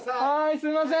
すいません。